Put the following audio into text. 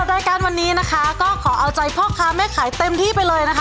รายการวันนี้นะคะก็ขอเอาใจพ่อค้าแม่ขายเต็มที่ไปเลยนะคะ